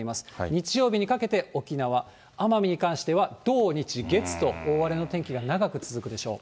日曜日にかけて沖縄、奄美に関しては土日月と大荒れの天気が長く続くでしょう。